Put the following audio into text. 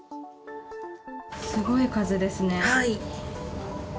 すごい数ですね。